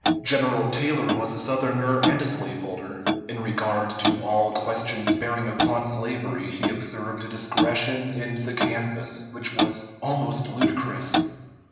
General Taylor was a Southerner and a slaveholder. In regard to all questions bearing upon slavery, he observed a discretion in the canvass which was almost ludicrous.